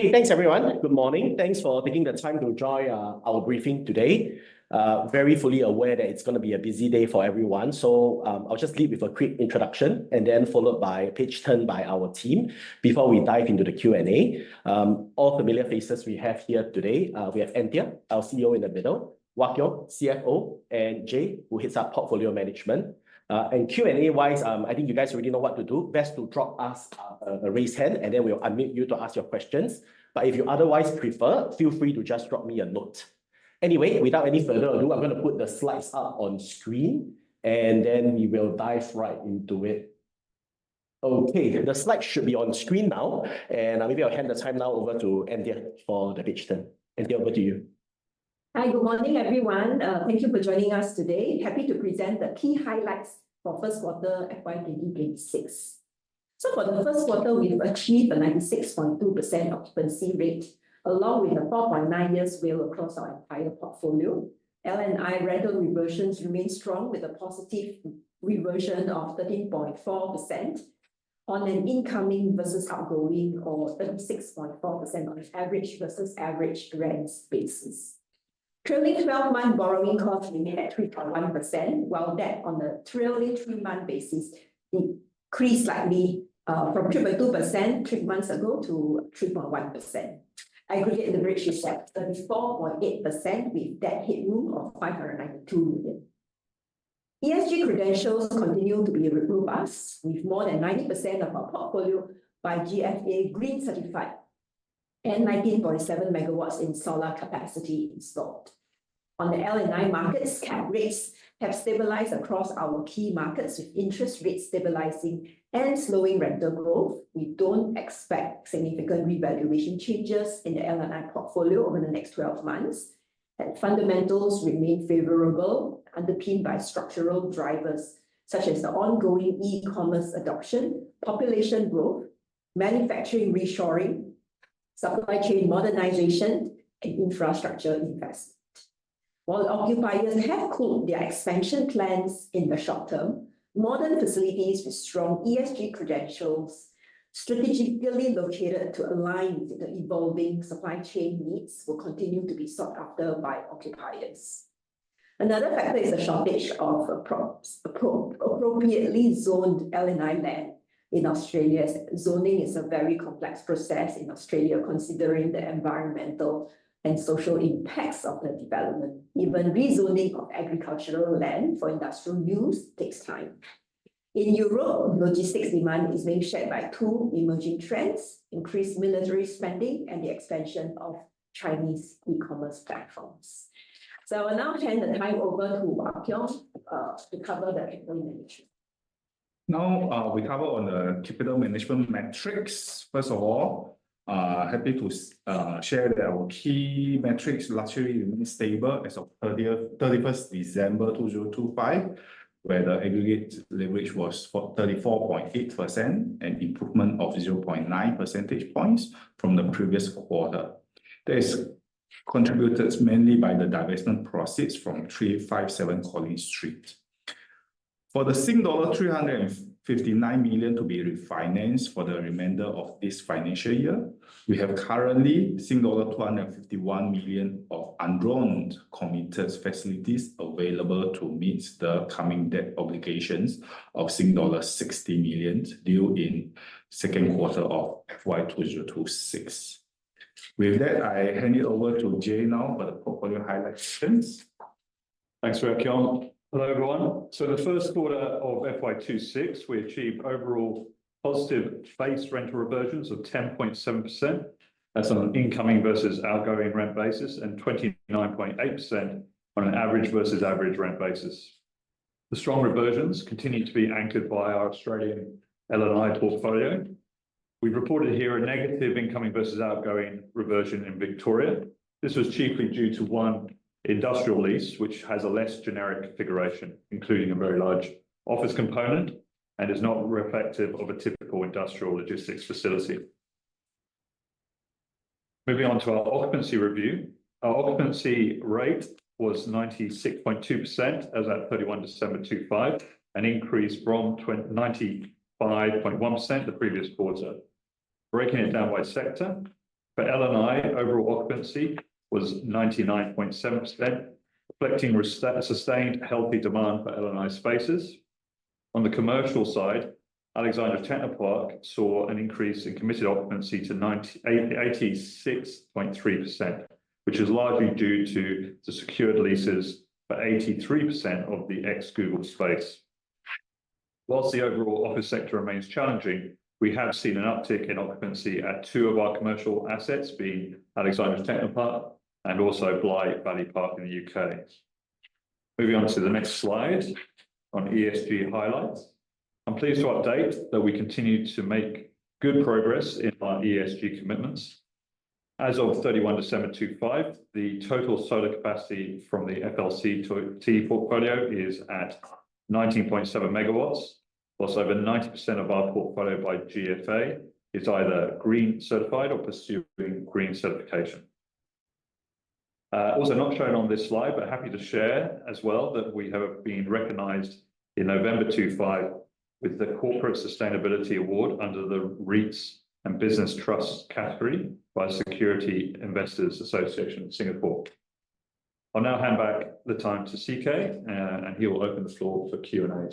Thanks everyone. Good morning. Thanks for taking the time to join our briefing today. Fully aware that it is going to be a busy day for everyone, I will just lead with a quick introduction and then followed by a presentation by our team before we dive into the Q&A. All familiar faces we have here today. We have Anthea, our CEO, in the middle, Wah Keong, CFO, and Jay, who heads up Portfolio Management. Q&A-wise, I think you guys already know what to do. Best to drop us a raised hand, and then we will unmute you to ask your questions. If you otherwise prefer, feel free to just drop me a note. Anyway, without any further ado, I am going to put the slides up on screen, and then we will dive right into it. Okay, the slides should be on screen now, and maybe I will hand the time now over to Anthea for the presentation. Anthea, over to you. Hi. Good morning, everyone. Thank you for joining us today. Happy to present the key highlights for first quarter FY2026. For the first quarter, we have achieved a 96.2% occupancy rate, along with a 4.9 years WALE across our entire portfolio. L&I rental reversions remain strong with a positive reversion of 13.4% on an incoming versus outgoing, or 36.4% on an average versus average rent basis. Trailing 12-month borrowing costs remained at 3.1%, while debt on the trailing three-month basis decreased slightly from 3.2% three months ago to 3.1%. Aggregate leverage is at 34.8% with debt headroom of 592 million. ESG credentials continue to be improved with more than 90% of our portfolio by GFA Green certified and 19.7 megawatts in solar capacity installed. On the L&I markets, cap rates have stabilized across our key markets with interest rates stabilizing and slowing rental growth. We do not expect significant revaluation changes in the L&I portfolio over the next 12 months, and fundamentals remain favorable, underpinned by structural drivers such as the ongoing e-commerce adoption, population growth, manufacturing reshoring, supply chain modernization, and infrastructure investment. While occupiers have cooled their expansion plans in the short term, modern facilities with strong ESG credentials strategically located to align with the evolving supply chain needs will continue to be sought after by occupiers. Another factor is a shortage of appropriately zoned L&I land in Australia. Zoning is a very complex process in Australia considering the environmental and social impacts of the development. Even rezoning of agricultural land for industrial use takes time. In Europe, logistics demand is being shaped by two emerging trends, increased military spending and the expansion of Chinese e-commerce platforms. I will now hand the time over to Wak Heong to cover the capital management. We cover on the capital management metrics. First of all, happy to share that our key metrics largely remain stable as of 31st December 2025, where the aggregate leverage was 34.8%, an improvement of 0.9 percentage points from the previous quarter. This contributed mainly by the divestment proceeds from 357 Collins Street. For the Sing dollar 359 million to be refinanced for the remainder of this financial year, we have currently Sing dollar 251 million of undrawn committed facilities available to meet the coming debt obligations of dollar 60 million due in second quarter of FY 2026. With that, I hand it over to Jay now for the portfolio highlights since. Thanks, Wak Heong. Hello, everyone. The first quarter of FY 2026, we achieved overall positive face rental reversions of 10.7%. That's on an incoming versus outgoing rent basis, and 29.8% on an average versus average rent basis. The strong reversions continue to be anchored by our Australian L&I portfolio. We've reported here a negative incoming versus outgoing reversion in Victoria. This was chiefly due to one industrial lease, which has a less generic configuration, including a very large office component, and is not reflective of a typical industrial logistics facility. Moving on to our occupancy review. Our occupancy rate was 96.2% as at 31 December 2025, an increase from 95.1% the previous quarter. Breaking it down by sector, for L&I, overall occupancy was 99.7%, reflecting sustained healthy demand for L&I spaces. On the commercial side, Alexandra Technopark saw an increase in committed occupancy to 86.3%, which is largely due to the secured leases for 83% of the ex-Google space. Whilst the overall office sector remains challenging, we have seen an uptick in occupancy at two of our commercial assets, being Alexandra Technopark and also Blythe Valley Park in the U.K. Moving on to the next slide on ESG highlights. I'm pleased to update that we continue to make good progress in our ESG commitments. As of 31 December 2025, the total solar capacity from the FLCT portfolio is at 19.7 megawatts. Over 90% of our portfolio by GFA is either green certified or pursuing green certification. Not shown on this slide, but happy to share as well that we have been recognized in November 2025 with the Singapore Corporate Sustainability Award under the REITs and Business Trusts category by Securities Investors Association (Singapore). I'll now hand back the time to CK. He will open the floor for Q&A